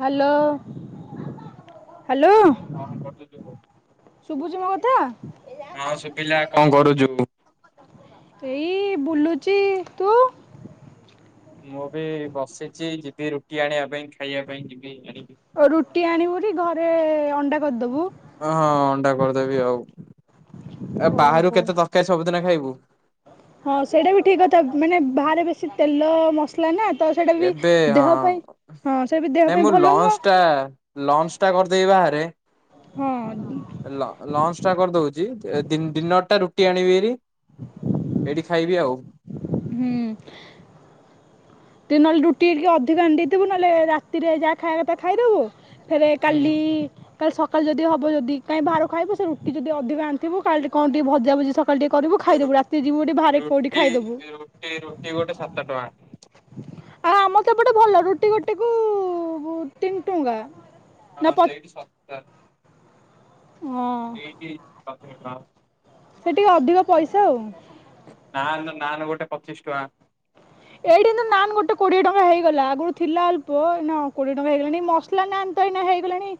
Hello hello କଣ କରୁଛୁ? ଶୁଭୁଚି ମୋ କଥା ହଁ ଶୁଭିଲା କଣ କରୁଛୁ? ଏଇ ବୁଲୁଚି ତୁ ମୁଁ ଏବେ ବସିଛି ଯିବି ରୁଟି ଆଣିବା ପାଇଁ ଖାଇବା ପାଇଁ ଯିବି ଆଣି ରୁଟି ଆଣିବୁ ଘରେ ଅଣ୍ଡା କରିଦବୁ ହଁ ଅଣ୍ଡା କରିଦେବି ଆଉ ବାହାରୁ ଓହୋ। କେତେ ତରକାରୀ ସବୁଦିନ ଖାଇବୁ ହଁ ସେଇଟା ବି ଠିକ୍ କଥା ମାନେ ବାହାରେ ବେଶି ତେଲ ମସ ଲା ନା ତ ସେଇଟା ବି ଏବେ ଦେହ ହଁ ପାଇଁ ହଁ ସେଟା ବି ଦେହ ନାଇଁ ପାଇଁ ମୁଁ ଭଲ ଲଞ୍ଚ ନୁହଁ ଟା ଲଞ୍ଚ ଟା କରିଦେବି ବାହାରେ ହଁ ଲଞ୍ଚ ଟା କରିଦଉଛି ଡିନର ଟା ରୁଟି ଆଣିବିରି ଏଇଠି ଖାଇବି ଆଉ ହୁଁ ତ ନହେଲେ ରୁଟି ଟିକେ ଅଧିକା ଆଣିଦେଇଥିବୁ ନହେଲେ ରାତିରେ ଯହା ଖାଇବା କଥା ଖାଇଦବୁ ଫେରେ ହୁଁ। କାଲିଇ କାଲି ସକାଳ ଯଦି ହବ ଯଦି କାଇଁ ବାହାରୁ ଖାଇବୁ ସେ ରୁଟି ଯଦି ଅଧିକ ଆଣିଥିବୁ କାଲି କଣ ଟିକେ ଭଜା ଭୁଜି ସକ କାଲି ଟିକେ କରିବୁ ଖାଇଦବୁ ରାତି ଯିବୁ ହେଟେ ବାହାରେ କେଉଠି ଖାଇଦବୁ। ଏଠି ରୁଟି ଗୋଟେ ସାତ ଟଙ୍କା। ଆଉ ଆମର ତ ଏପଟେ ଭଲ ରୁଟି ଗୋଟେକୁ ଉ ତିନି ଟଙ୍କା। ନା ହଁ ପ ସେଇଠି ଶସ୍ତା। ହଁ ଏଇଠି ଅଧିକ ଟଙ୍କା। ସେଠି ଟିକେ ଅଧିକ ପଇସା ଆଉ। ନାନ ନାନ ଗୋଟେ ପଚିଶ ଟଙ୍କା। ଏଇଠି କିନ୍ତୁ ନାନ ଗୋଟେ କୋଡିଏ ଟଙ୍କା ହେଇଗଲା ଆଗରୁ ଥିଲା ଅଳ୍ପ ଏଇନା କୋଡିଏ ଟଙ୍କା ହେଇଗଲାଣି ମସ ମସଲା ନାନ୍ ତ ଏଇନା ହେଇଗଲାଣି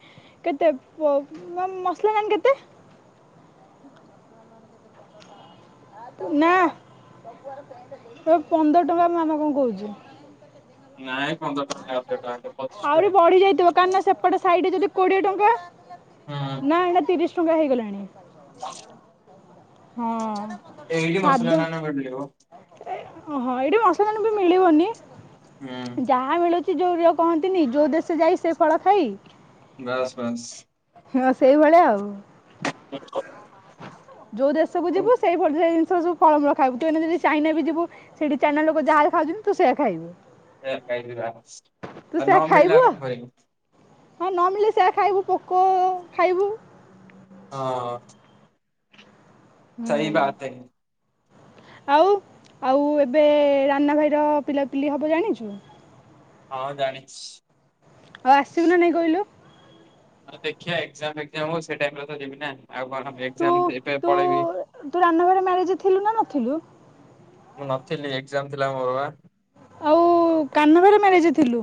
କେତେ ମସଲା ନାନ୍ କେତେ? ନା ଏ ପନ୍ଦର ଟଙ୍କା ମାମା କଣ କହୁଚି। ନାଇଁ ପନ୍ଦର ଟଙ୍କା ଅଠର ଟଙ୍କା କ ଆହୁରି ବଢି ଯାଇଥିବ କାହିଁକିନା ସେପଟ ସାଇଡ଼ରେ ଯଦ କୋଡିଏ ଟଙ୍କା ହୁଁ ନା ତିରିଶ ଟଙ୍କା ହୋଇଗଲାଣି। [unintelligible] ହଁ ଅଁ। ଏଇଡି ମସଲା ନାନ ମିଳିବ। ହଁ ଏଇଠି ମସଲା ନାନ ବି ମିଳିବନି ହୁଁ ଯାହା ମିଳୁ ଚି ଯୋଉ କହନ୍ତିନି ଯୋଉ ଦେଶ ଯାଇ ସେ ଫଳ ଖାଇ ବାସ୍ ବାସ୍। ହଁ ସେଇଭଳିଆ ଆଉ। [inaudible] ଯୋଉ ଦେଶକୁ ଆଉ ଯିବୁ ସେଇ ଭଳିଆ ଜିନିଷ ସବୁ [unintelligible] ଖାଇବୁ ତୁ ଯଦି ଚାଇନା ବି ଯିବୁ ସେଇଠି ଚାଇନା ଲୋକ ଯାହା ଖାଉଛନ୍ତି ତୁ ସେୟା ଖାଇବୁ। ସେୟା ଖାଇବି [unintelligible] ଆଉ ତୁ ନ ସେୟା ମିଳିଲେ ଖାଇବୁ ଆଉ କଣ ଖାଇବି। ହଁ ନ ମିଳିଲେ ସେୟା ଖାଇବୁ ପୋକ ଓ- ଖାଇବୁ ହଁ ଅଁ ହୁଁ। ବାତ ହେ ଆଉ ଆଉ ଏବେ ରାନା ଭାଇର ପିଲାପିଲି ହେବ ଜାଣିଚୁ? ହଁ ଜାଣିଛି ଇ। ଆଉ ଆସିବୁ ନା ନାଇଁ କଇଲୁ? ଦେଖିବା ଏକ୍ଜାମ ଫେକଜାମ ହଉ ସେ ଟାଇମ ରେ ତ ଯିବି ନା ଆଉ କଣ ତୁ ଏଜାମ ଏବେ ତୁ ପଳେଇବି। ତୁ ରାନୁ ଘର ମ୍ୟାରେଜ ଥିଲୁ ନା ନଥିଲୁ? ମୁଁ ନଥିଲି ଏକ୍ଜାମ ଥିଲା ମୋର ବା। ଆଉ ଉ କାହ୍ନୁ ଭାଇର ମ୍ୟାରେଜ୍ ରେ ଥିଲୁ?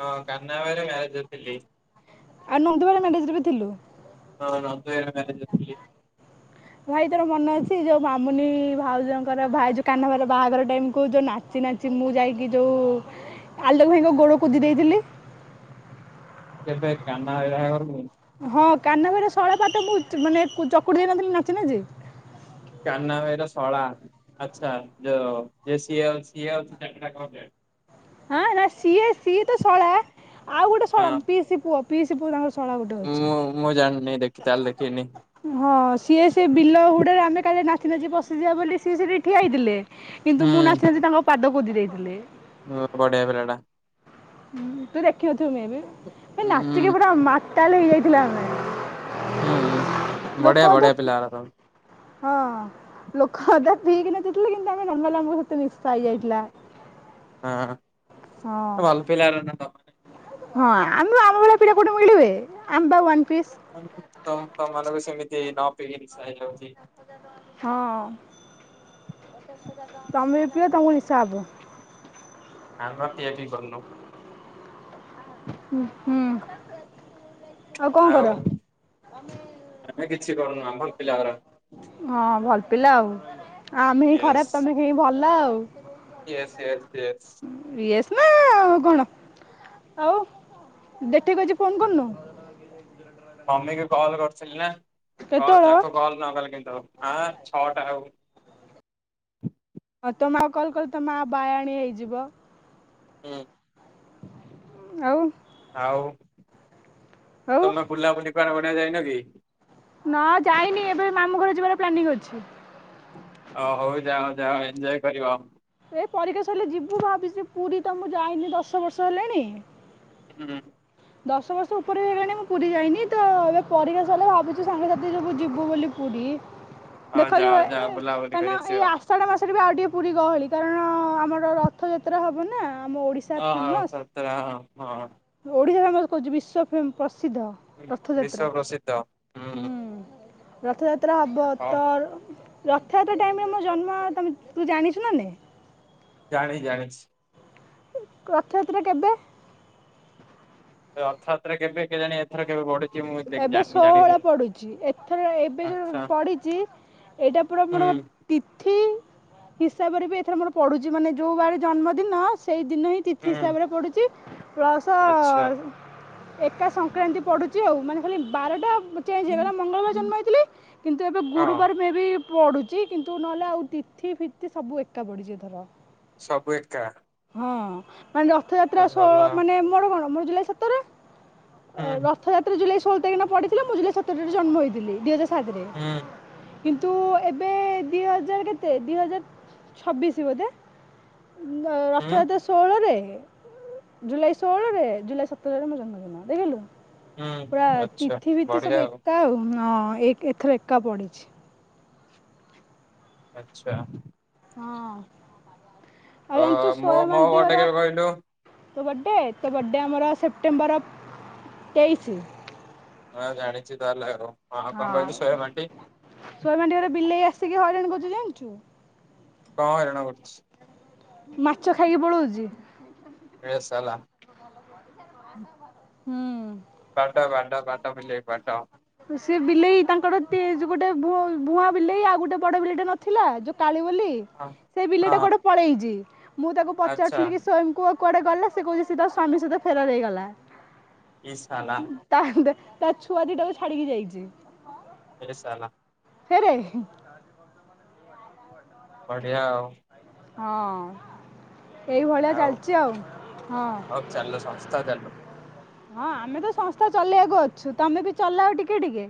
ହଁ କାହ୍ନା ଭାଇର ମ୍ୟାରେଜ୍ ରେ ଥିଲି। ଆଉ ନନ୍ଦ ଭାଇ ମ୍ୟାରେଜ ବି ଥିଲୁ? ହଁ ନନ୍ଦ ଭାଇ ଙ୍କ ମ୍ୟାରେଜ ରେ ଥିଲି। ଭାଇ ତୋର ମନ ଅଛି ଯୋଉ ମାମୁନି ଇ ଭାଉଜଙ୍କର ଭାଇ ଯୋଉ କାହ୍ନା ଭାଇର ବାହାଘର ଟାଇମ କୁ ଯୋଉ ନାଚି ନାଚି ଚି ମୁଁ ଯାଇକି ଯଉ ଆଲୋକ ଭାଇଙ୍କ ଗୋଡ଼ କୁଦି ଦେଇଥିଲି। କେବେ କାହ୍ନାଭାଇ ବାହାଘରକୁ? ହଁ କାହ୍ନା ଭାଇର ଶଳା ପାଦ ମୁଁ ମାନେ ଚକୁଡି ଦେଇନଥିଲି ନାଚିନାଚି। କାହ୍ନା ଭାଇର ଶଳା ଆଚ୍ଛା ଯୋଉ ଯ ସିଏ ସିଏ ଅ ଚଟାର୍ଡ଼ ଆକାଉଣ୍ଟଟ। ହଁ ନା ସିଏ ସିଏ ତ ଶଳା ଆଉ ଗୋଟେ ହଁ ଶଳା ପିଇସି ପୁଅ ପିଇସି ପୁଅ ତାଙ୍କର ଶଳା ଗୋଟେ ମୁଁ ଅଛି। ମୁଁ ଜାଣିନି ଦେଖି ତାହେଲେ ଦେଖେଇିନି। ହଁ ସିଏ ସେ ବିଲ ହୁଡରେ ଆମେ କାଲି ନାଚ ନାଚି ପଶିଯିବା ବୋଲି ସିଏ ସେଠି ଠିଆ ହେଇଥିଲେ। କିନ୍ତୁ ମୁଁ ନାଚି ନାଚି ତାଙ୍କ ପାଦ କୋଦି ଦେଇଥିଲି। ହଁ ବଢିଆ ପିଲଟା। ହୁଁ ତୁ ଦେଖିନଥିବୁ ମେ ବି। ସେ ନାଚିକି ହୁଁ ପୁରା ମାତାଲ ହେଇଯାଇଥିଲା ଆମେ। ହୁଁ ଲୋକ ବଢ଼ିଆ ଅଧେ ବଢିଆ ପିଲାରା ତ। ହଁ ଲୋକ ଅଧା ପିଇକି ନାଚୁଥିଲେ କିନ୍ତୁ ଆମେ ନର୍ମାଲି ଆମ ସ ମିଶା ହେଇଯାଇଥିଲା। ହଁ ଭଲ ପିଲାରା ତମେ। ହଁ ଆମ ଆମ ଭଳିଆ ପିଲା କୋଉଠି ମିଳିବେ ଆମେପା ୱନ୍ ପିସ୍। ତ ତ ମାନଙ୍କୁ ସେମିତି ନ ପିଇକିନି ନିସା ହେଇଯାଉଛି। ହଁ ତମେ ବି ପିଅ ତମଙ୍କୁ ନିସା ହବ। ଆମ ପିଆ ପୁଇ କରୁନୁ। ହୁଁ କଣ ଆଉ କର? ଆମେ କିଛି କରୁନୂ ଆମର ପିଲାରା ସବୁ। ହଁ ଭଲ ପିଲା ଆଉ ଆମେ ହି ଖରାପ ତମେ ହିଁ ଭଲ ଆଉ। Yes yes yes. ଇଏସ୍ ନାଁ ଆଉ କଣ ଆଉ ଦେଠିକ ଅଛି ଫୋନ୍ କରିନୁ। ମମିକି କଲ୍ କରିଥିଲି ନାଁ ହଁ କେତେବେଳ? ତାକୁ କଲ୍ ନ କଲେ କେମିତି ହବ ଆଁ ଛଅଟା ଆଉ। ହଁ ତମେ ଆଉ କଲ୍ କଲେ ତ ମା ବାଆଣୀ ହେଇଯିବ। ହୁଁ ଆଉ ଆଉ ଆଉ ତମେ ବୁଲାବୁଲି କୁଆଡେ ଗୋଟେ ଯାଇନ କି? ନାଁ ଯାଇନି ଏବେ ମାମୁଁ ଘରେ ଯିବାର ପ୍ଲାନିଂ ଅଛି। ଅ ହଉ ଯାଅ ଯାଅ ଏନ୍ଞ୍ଜଏ କରିବ। ଏ ପରିକା ସରିଲେ ଯିବୁ ଭାବିଛି ପୁରୀ ତ ମୁଁ ଯାଇନି ଦଶ ବର୍ଷ ହେଲାଣି। ହୁଁ ଦଶ ବର୍ଷ ଉପରେ ହେଇଗଲାଣି ମୁଁ ପୁରୀ ଯାଇନି, ତ ଏବେ ପରକ୍ଷା ସରିଲେ ଭାବୁଛୁ ସାଙ୍ଗସାଥି ସବୁ ଯିବୁ ବୋଲି ପୁରୀ। ହଁ ଦେଖ ଯୋ ଯାଅ ଯାଅ ବୁଲାବୁଲି କାନ କରି ଏ ଆସିବ। ଆ ଆଷାଢ଼ ମାସରେ ବି ଆଉ ଟିକେ ପୁରୀ ଗହଳି କାରଣ ଆମର ରଥଯାତ୍ରା ହେବ ନା ଆମ ଓଡ଼ି ହଁ ହତରା ହଁ ଓଡିଶା ଫେମସ କହୁଚୁ, ବିଶ୍ଵ ଫେମସ୍ ପ୍ରସିଦ୍ଧ ରଥଯାତ୍ରା ବିଶ୍ଵ ପ୍ରସିଦ୍ଧ। ହୁଁ ହୁଁ। ରଥଯାତ୍ରା ହବ ହଁ ତ ରଥଯାତ୍ରା ଟାଇମ୍ ରେ ମୋ ଜନ୍ମ ତମେ ତୁ ଜାଣିଛୁ ନା ନାଇଁ? ଜାଣି ଜାଣିଛି। ରଥଯାତ୍ରା କେବେ? ରଥଯାତ୍ରା କେବେ କେ ଜାଣି ରେ କେବେ ବଡିଛି ମୁଁ ଏବେ ଜାଣିନି ଜାଣିନି। ଷୋହଳ ପଡୁଛି ଏଥର ଏବେ ଯୋଉ ଆଚ୍ଛା ପଡିଚି ଏଇଟା ପୁରା ହୁଁ ମୋର ତିଥି ହିସାବରେ ବି ଏଥର ମୋର ପଡୁଛି ମାନେ ଯୋଉ ବାର ଜନ୍ମଦିନ ସେଇ ଦିନ ହିଁ ତିଥି ହୁଁ ହିସାବରେ ପଡୁଚି। ପ୍ଲସ୍ ଆଚ୍ଛା। ଏକା ସଂକ୍ରାନ୍ତି ପଡୁଚି ଆଉ ମାନେ ଖାଲି ବାରଟା ଚେଞ୍ଜ ହେଇଗଲା ମଙ୍ଗଳବାର ଜନ୍ମ ହେଇି କିନ୍ତୁ ଏବେ ହଁ ଗୁରୁବାର ମେ ବି ପଡ଼ୁଛି କିନ୍ତୁ ନହେଲେ ଆଉ ତିଥି ଫିତି ସବୁ ଏକା ପଡ଼ିଛି ଏଥର ସବୁ ଏକା। ହଁ ମାନେ ରଥଯାତ୍ରା ଭଲ ଷୋହଳ ମାନେ ମୋର କଣ ମୋର ଜୁଲାଇ ସତରରେ ହୁଁ ରଥଯାତ୍ରା ଜୁଲାଇଷୋହଳ ତାଖକିନ ପଥିଲା ମୁଁ ଜୁଲାଇ ସତରରେ ଜନ୍ମ ହେଥିଲି ଦି ହଜାର ହୁଁ [inaudible] କିନ୍ତୁ ଏବେ ଦି ହଜାର କେତେ ଦି ହଜାର ଛବିଶ ବୋଧେ [unintelligible] ଅଠ ହୁଁ ହଜାର ଷୋହଳରେ ଜୁଲାଇ ଷୋହଳରେ ଜୁଲାଇ ସତରରେ ମୋ ଜନ୍ମଦିନ ଦେଖିଲୁ। ପୁରା ହୁଁ ଆଚ୍ଛା ତିଥି ଭତି ବଢିଆ ସବୁ ଆଉ। ଏକା ଆଉ ଏଥର ଏକା ପଡିଛି। ଆଛା। ହଁ ଆଉ ଅ ଜାଣିଛି ମୋ ସୋୟମ ମୋ ଆଣ୍ଟି ଘରଟା ଘର କେବେ କହିଲୁ? ତୋ ବର୍ଥଡେ ତୋ ବର୍ଥଡେ ଆମର ସେପ୍ଟେମ୍ବର ତେଇଶି। ହ ଜାଣିଛି ତାହେଲେ ଆଉ ହଁ କଣ କହିଲୁ ଶହେ ମାଟି ସ୍ୱୟଂ ଅଣ୍ଟୀ ଘରରେ ବିଲେଇ ଆସିକି ହଇରାଣ କରୁଛୁ ଜାଣିଛୁ। କଣ ହଇରାଣ କରୁଛି। ମାଛ ଖାଇକି ପଳଉଛି। ହେ ସାଲା [inaudible] ହୁଁ। ବାଡା ବାଡା ବାଡା ବିଲେଇକୁ ବାଡା। ସେ ବିଲେଇ ତାଙ୍କର ଯଉ ଗୋଟେ ଭୁଆଁ ବିଲେଇ ଆଉ ଗୋଟେ ବଡ ବିଲେଇଟେ ନଥିଲା ଯୋଉ କାଳି ବୋଲି ସେ ବିଲଟା ହଁ ଗୋଟେ ପଳେଇଛି ମୁଁ ତାକୁ ଆଚ୍ଛା ପଚାରୁଥିଲି କି ସ୍ଵୟଂକୁ କୁଆଡେ ଗଲେ ସେ କହୁଛି ସେ ତା ସ୍ଵାମୀ ସହିତ ଫେରାର ହେଇଗଲା। ଇ ସାଲା ତା ତା ଛୁଆ ଦିଟାକୁ ଛାଡିକି ଯାଇଛି। ହେ ସାଲା [unintelligible] ବଡ଼ିଆ ଆଉ। ହଁ। ଏଇଭଳିଆ ଚାଲିଛି ଆଉ ହଁ। ହଉ ଚାଲୁ ସଂସ୍ଥା ଚାଲୁ ହଁ ଆମେ ତ ସଂସ୍ଥା ଚଲେଇକୁ ଅଛୁ ତମେ ବି ଚଲାଅ ଟିକେ ଟିକେ।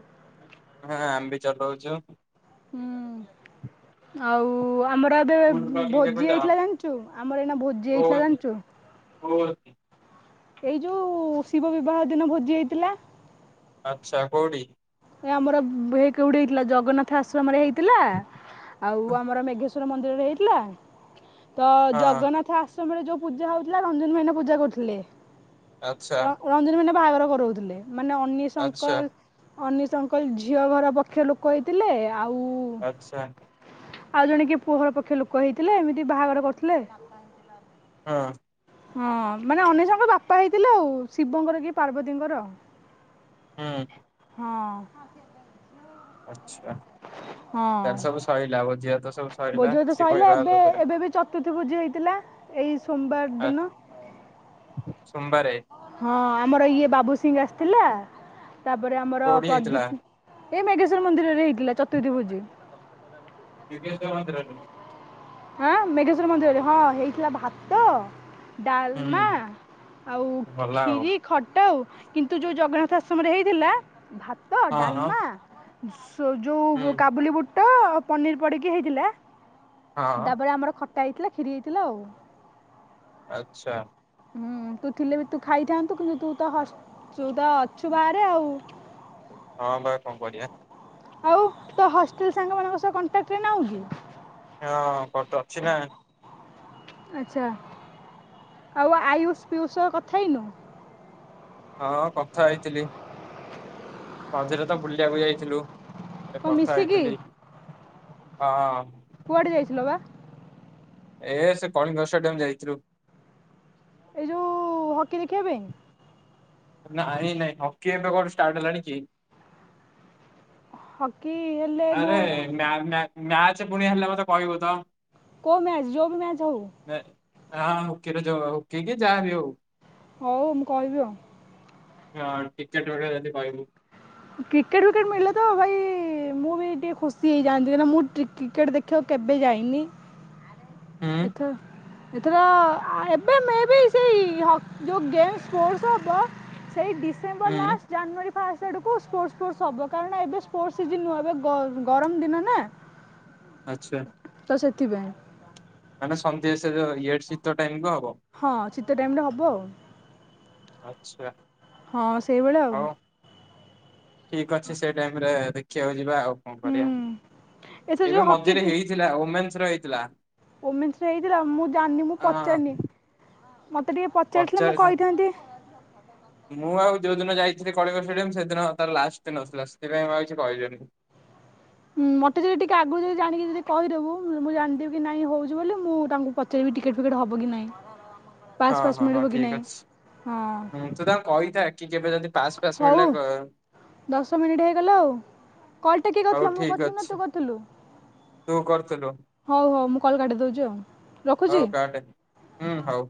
ହଁ ଆମେ ବି ଚଲଉଛୁ। ହୁଁ ଆଉ ଆମର ଏବେ ଭୋଜି ହେଇଥିଲା ଜାଣିଛୁ ଆମର ଏଇନା ଭୋଜି ହେଇଥିଲା କୋଉଠି ଜାଣିଛୁ। [inaudible] ଏଇ ଯୋଉ ଶିବ ବିବାହ ଦିନ ଭୋଜି ହେଇଥିଲା। ଆଚ୍ଛା କୋଉଠି। ଏ ଆମର କେଉଠି ହେଇଥିଲା ଜଗନ୍ନାଥ ଆଶ୍ରମରେ ହେଇଥିଲା ଆଉ ଆମର ମେଘ ମନ୍ଦିର ହେଇଥିଲା ତ ହଁ ଜଗନ୍ନାଥ ଆସ ସମୟରେ ଯୋଉ ପୂଜା ହଉଥିଲା ରଞ୍ଜନ ଭାଇନା ପୂଜା କରୁଥିଲେ। ର ଆଚ୍ଛା। ରଞ୍ଜନ ଭାଇନା ବାହାଘର କରାଉଥିଲେ ମାନେ ଅନିଶ ଆଚ୍ଛା ଅଙ୍କଲ ଅନିଶଙ୍କର ଝିଅ ଘର ପକ୍ଷର ଲୋକ ହେଇଥିଲେ ଆଉ ଆଚ୍ଛା। ଆଉ ଜଣେ କିଏ ପୁଅର ପକ୍ଷ ଲୋକ ହେଇଥିଲେ ଏମିତି ବାହାଘର କରୁଥିଲେ। ହଁ। ହଁ ମାନେ ଅନ୍ୱେଷାଙ୍କ ବାପା ହେଇଥିଲେ ଆଉ ଶିବଙ୍କର କି ପାର୍ବତୀଙ୍କର। ହୁଁ। ହଁ। ଆଚ୍ଛା। ହୁଁ ତାର ହଁ ସବୁ ସରିଲା ଭୋଜିଆ ତ ସବୁ ସରିଲା ଭୋଜି ଭାତ ଶିବ ସରିଲା ବିବାହ ଏବେ ସରିଲା। ଏବେ ବି ଚତୁର୍ଥୀ ଭୋଜି ହେଇଥିଲା। ଏଇ ସୋମବାର ଆ, ଦିନ। ସୋମବାରେ। ହଁ ଆମର ଇଏ ବାବୁ ସିଂ ଆସିଥିଲା। ତାପରେ ଆମର କୋଉଠି ହେଇଥିଲା ପ୍ରଦି ଉଁ ଏ ମେଘେଶ୍ୱର ମନ୍ଦିରରେ ହେଇଥିଲା ଚତୁର୍ଥୀ ଭୋଜି। ମେଘେଶ୍ଵର ମନ୍ଦିରରେ। ଆଁ ମେଘେଶ୍ଵର ମନ୍ଦିରରେ ହଁ ହେଇଥିଲା ଭାତ। ଡାଲମା ହୁଁ ଆଉ ଖୀ ଭଲ ଆଉ କ୍ଷୀରି। ଖଟା ଆଉ କିନ୍ତୁ ଯଉ ଜଗନ୍ନାଥ ଆଶ୍ରମରେ ହେଇଥିଲା ଭାତ, ହଁ ହଁ ଡାଲମା। ସ ହୁଁ ଯୋଉ କାବୁଲି ବୁଟ, ପନିର ପଡିକି ହେଇଥିଲା। ହଁ ତାପରେ ଆମର ଖଟା ହେଇଥିଲା କ୍ଷୀରି ହେଇଥିଲା ଆଉ। ଆଚ୍ଛା। ହୁଁ ତୁ ଥିଲେ ବି ତୁ ଖାଇଥାନ୍ତୁ କିନ୍ତୁ ତୁ ତ ହସ ତୁ ତ ଅଛୁ ବାହାରେ ଆଉ। ହଁ ବା କଣ କରିବା। ଆଉ ତୋ ହଷ୍ଟେଲ ସାଙ୍ଗ ମାନଙ୍କ ସହ କଣ୍ଟାକ୍ଟରେ ନାଉଁ କି? ହଁ କ ତ ଅଛି ନା। ଆଚ୍ଛା। ଆଉ ଆୟୁଷ, ପିୟୁଷ ସହ କଥା ହେଇନୁ। ହଁ କଥା ହେଇଥିଲି। ମଝିରେ ତ ବୁଲିବାକୁ ଯାଇଥିଲୁ। ଏ କ'ଣ କଥା ମିଶିକି ହେଇଥିଲି ହଁ। କୁଆଡେ ଯାଇଥିଲ ବା? ଏ ସେ କଳିଙ୍ଗ ଷ୍ଟାଡିୟମ ଯାଇଥିଲୁ। ଏଇ ଯଉ ହକି ଦେଖିବା ପାଇଁ। ନାଇଁ ନାଇଁ ହକି ଏବେ କଣ ଷ୍ଟାର୍ଟ ହେଲାଣି କି। ହକି ହେଲେ ମୁଁ ଆରେ କେଉଁ ମ୍ୟା-ମ୍ୟା-ମ୍ୟାଚ ପୁଣି ହେଲେ ମତେ କହିବୁ ତ। କଉ ମ୍ୟାଚ? ଯଉ ବି ମ୍ୟାଚ୍ ହଉ। ଏ ହଁ ହକିରେ ଯଉ ହକି କି ଯାହା ବି ହଉ। ହଉ ମୁଁ କହିବି ଆଉ। ହଁ ଟିକେଟ [unintelligible] ଯଦି ପାଇଲୁ। କ୍ରିକେଟ ଫିକେଟ ମିଳିଲେ ତ ଭାଇ ମୁଁ ବି ଟିକେ ଖୁସି ହେଇଯାନ୍ତି କାହିଁକି ନା ମୁଁ ଟ୍ରି କିକେଟ ଦେ ଖିବାକୁ କେବେ ଯାଇନି। ହୁଁ ଏଥ। ଏଥର ଆ ଏବେ ମେ ବି ସେଇ ହ ଯୋଉ ଗେସ ସ୍ପୋର୍ଟସ ହବ। ସେଇ ଡିସେମ୍ବର ହୁଁ ଲାଷ୍ଟ ଜାନୁଆରୀ। ଫାର୍ଷ୍ଟ ଆଡ଼କୁ ସ୍ପୋର୍ଟସ ସ୍ପୋର୍ଟସ ହବ କାରଣ ଏବେ ସ୍ପୋର୍ଟସ ସିଯିନ ନୁହ ଏବେ ଗ-ଗରମ ଦିନ ନା। ଆଚ୍ଛା। ତ ସେଥିପାଇଁ। ମାନେ ସନ୍ଧ୍ୟା [unintelligible] ଇଏ ଶୀତ ଟାଇମ କୁ ହବ। ହଁ ଶୀତ ଟାଇମ ରେ ହବ ଆଉ। ଆଚ୍ଛା। ହଁ ସେଇଭଳିଆ ଆଉ। ଠିକ୍ ଅଛି ସେଇ ଟାଇମ ରେ ଦେଖିବାକୁ ଯିବା ଆଉ। କଣ ହୁଁ, କରିବା ଏଥର ଏବେ ଯେଉଁ ହକି ମଝିରେ ହେଇଥିଲା ଓମେସ ହେଇଥିଲା। ଓମିନସ ହେଇଥିଲା ମୁଁ ଜାଣିନି ମୁଁ ହଁ ପଚାରିନି। ମୋତେ ଟିକେ ପଚାରିଥିଲେ ମୁଁ ପଚାରିଥାନ୍ତି। କହିଥାନ୍ତି। ମୁଁ ଆଉ ଯୋଉ ଦିନ ଯାଇଥିଲି କଳିଙ୍ଗ ଷ୍ଟାଡିୟମ ସେଦିନ ତାର ଲାଷ୍ଟ ଦିନ ଆସଥିଲା ସେଥିପାଇଁ ଆଉ କିଛି କହିଲେନି। ହୁ ମତେ ଯଦି ଟିକେ ଆଗରୁ ଯଦି ଜଣିକି ଯଦି କହିଦେବୁ ମୁଁ ଜାଣିଦବି କି ନାଇଁ ହଉଛି ବୋଲି ମୁଁ ତାଙ୍କୁ ପ ଚାରି ବି ଟିକେଟ୍ ଫିକେଟ୍ ହେବ କି ନାହିଁ? ହଁ ପାସ୍ ଫାସ୍ ହଁ ହଁ ମିଳିବ କି ଠିକ୍ ନାହିଁ ହଁ ଅଛି ତୁ ତାଙ୍କୁ କହିଥା କି କେବେ ଯଦି ପାସ୍ ଫାସ୍ ହଉ ମିଳିଲା କ ଦଶ ମିନିଟ୍ ହେଇଗଲା ଆଉ। କଲ ଟା କିଏ ହଉ କରିଥିଲା ମୁଁ ଠିକ କରିଥିଲି ନା ଅଛି। ତୁ କରିଥିଲୁ? ତୁ କରିଥିଲୁ। ହଉ ହଉ ମୁଁ କଲ୍ କାଟି ଦେଉଛି ଆଉ ହଉ ରଖୁଛି। କାଟେ ହୁଁ ହଉ।